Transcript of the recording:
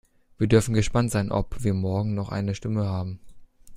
Wir dürfen gespannt sein, ob wir morgen noch eine Stimme haben.